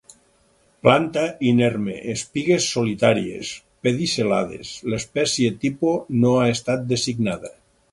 Planta inerme. Espigues solitàries; pedicel·lades. L'espècie tipus no ha estat designada.